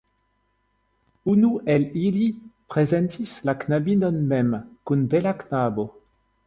Unu el ili prezentis la knabinon mem kun bela knabo.